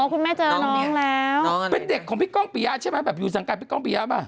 คุณแม่เจอน้องแล้วเป็นเด็กของพี่ก้องปียะใช่ไหมแบบอยู่สังกัดพี่ก้องปียะป่ะ